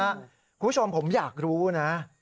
คุณผู้ชมผมอยากรู้นะ